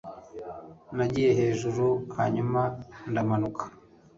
nagiye hejuru hanyuma ndamanuka